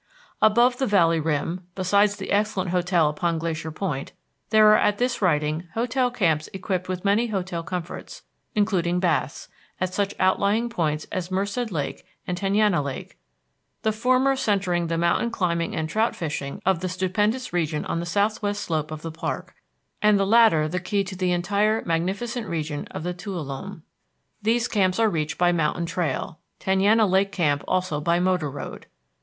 Above the valley rim, besides the excellent hotel upon Glacier Point, there are at this writing hotel camps equipped with many hotel comforts, including baths, at such outlying points as Merced Lake and Tenaya Lake; the former centering the mountain climbing and trout fishing of the stupendous region on the southwest slope of the park, and the latter the key to the entire magnificent region of the Tuolumne. These camps are reached by mountain trail, Tenaya Lake Camp also by motor road.